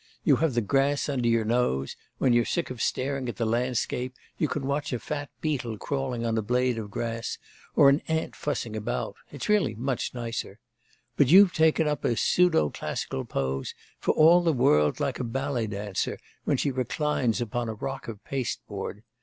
You have the grass under your nose; when you're sick of staring at the landscape you can watch a fat beetle crawling on a blade of grass, or an ant fussing about. It's really much nicer. But you've taken up a pseudo classical pose, for all the world like a ballet dancer, when she reclines upon a rock of paste board.